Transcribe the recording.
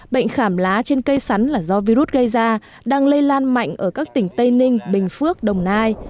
bệnh khảm lá trên cây sắn là do virus gây ra đang lây lan mạnh ở các tỉnh tây ninh bình phước đồng nai